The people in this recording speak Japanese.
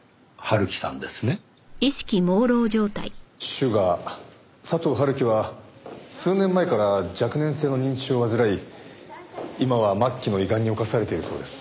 シュガー佐藤春樹は数年前から若年性の認知症を患い今は末期の胃がんに侵されているそうです。